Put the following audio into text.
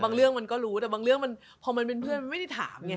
เรื่องมันก็รู้แต่บางเรื่องมันพอมันเป็นเพื่อนมันไม่ได้ถามไง